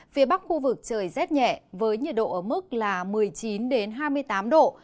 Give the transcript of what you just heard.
phía bắc khu vực trời rét nhẹ với nhiệt độ ở mức là một mươi chín hai mươi tám độ